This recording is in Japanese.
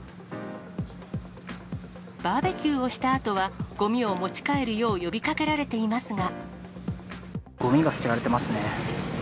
バーベキューをしたあとは、ごみを持ち帰るよう呼びかけられていますが。